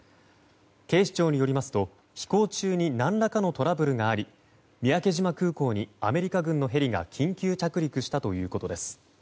警視庁によりますと飛行中に何らかのトラブルがあり三宅島空港にアメリカ軍のヘリが緊急着陸したということです。